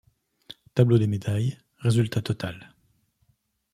Tableau des médailles: Résultat total.